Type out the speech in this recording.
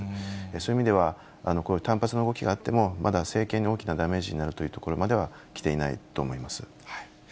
そういう意味では、単発な動きがあっても、まだ政権に大きなダメージになるというところまでは、きていないと思います。